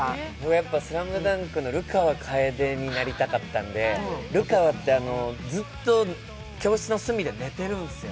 やっぱり「ＳＬＡＭＤＵＮＫ」の流川楓になりたかったので、流川って、ずっと教室の隅で寝てるんですよ。